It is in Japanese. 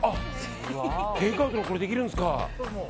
テイクアウトもできるんですか。